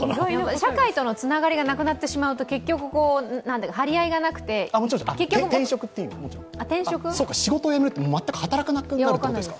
社会とのつながりがなくなってしまうと張り合いがなくてそっか、仕事を辞めるって全く働くなるってことですか。